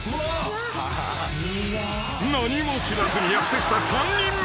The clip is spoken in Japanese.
［何も知らずにやって来た３人目］